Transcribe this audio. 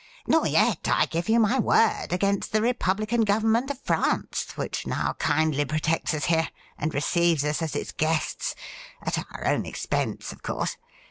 ' Nor yet, I give you ray word against the Republican Government of France, which now kindly protects us here, and receives us as its guests — at our own expense, of course.